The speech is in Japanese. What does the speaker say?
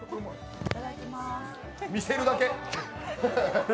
見せるだけ。